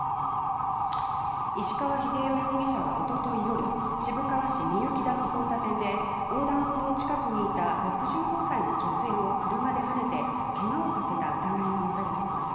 石川英世容疑者はおととい夜渋川市行幸田の交差点で横断歩道近くにいた６５歳の女性を車ではねてけがをさせた疑いが持たれています。